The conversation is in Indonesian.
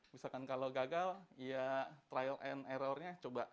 misalkan kalau gagal ya trial and errornya coba